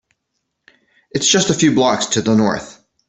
It’s just a few blocks to the North.